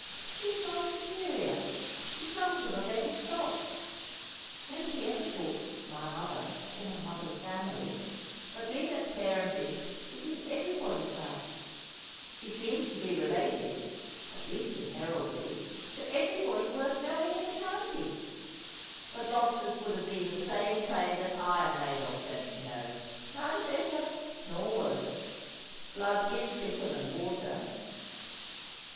iShe is my superior ; she comes of a better stock. Nobody ever talks of my mother, or my mother's family ; but Lina's parentage is in everybody's mouth ; she seems to be related — at least in heraldry — to every body worth knowing in the county. But Lof tus would have been the same clay that I am made of, don't you know, neither better nor worse. Blood is thicker than water.'